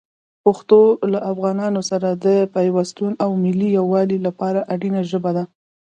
پښتو له افغانانو سره د پیوستون او ملي یووالي لپاره اړینه ژبه ده.